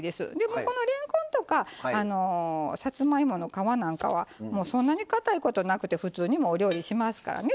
もうこのれんこんとかさつまいもの皮なんかはそんなにかたいことなくて普通にお料理しますからね。